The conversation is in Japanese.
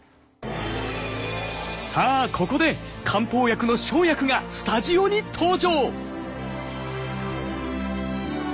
さあここで漢方薬の生薬がスタジオに登場！